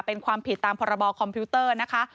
เป็นความผิดตามพรบคอมพิวเตอร์นะคะ